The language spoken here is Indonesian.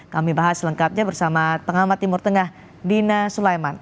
kami bahas lengkapnya bersama pengamat timur tengah dina sulaiman